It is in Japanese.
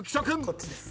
こっちです。